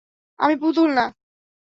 আমি পুতুল না!